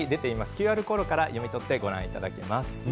ＱＲコードから読み取ってご覧いただけます。